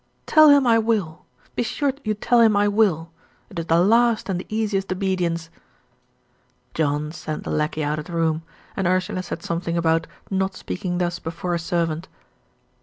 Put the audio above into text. "Tell him I will. Be sure you tell him I will. It is the last and the easiest obedience." John sent the lacquey out of the room; and Ursula said something about "not speaking thus before a servant."